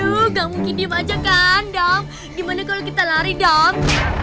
aduh gak mungkin diem aja kan dam gimana kalau kita lari dam